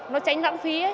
nó tránh rãng phí